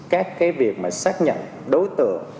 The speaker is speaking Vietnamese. các cái việc mà xác nhận đối tượng